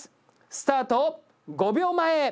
スタート５秒前。